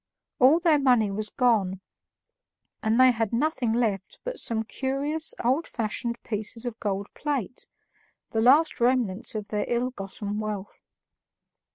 All their money was gone, and they had nothing left but some curious old fashioned pieces of gold plate, the last remnants of their ill gotten wealth.